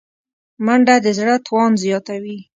منډه د زړه توان زیاتوي